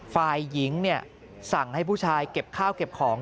ฝ่ายหญิงสั่งให้ผู้ชายเก็บข้าวเก็บของ